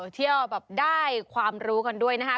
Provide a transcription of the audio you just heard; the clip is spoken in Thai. เที่ยวแบบได้ความรู้กันด้วยนะคะ